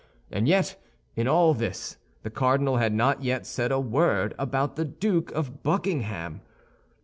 And yet, in all this, the cardinal had not yet said a word about the Duke of Buckingham.